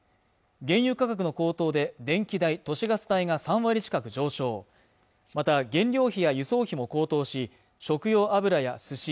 原油価格の高騰で電気代都市ガス代が３割近く上昇また原料費や輸送費も高騰し食用油やすし